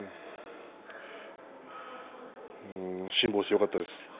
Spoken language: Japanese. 辛抱してよかったです。